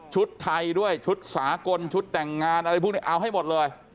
ไทยด้วยชุดสากลชุดแต่งงานอะไรพวกนี้เอาให้หมดเลย